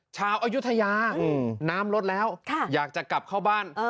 อายุทยาน้ำลดแล้วอยากจะกลับเข้าบ้าน